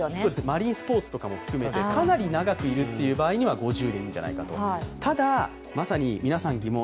マリンスポーツとかも含めてかなり長くいる場合は５０でいいんじゃないかと。